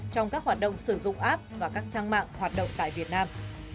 trong các hoạt động sử dụng app và các trang mạng hoạt động tại việt nam